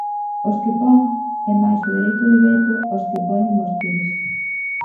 Os que pon, e mais o dereito de veto aos que poñen vostedes.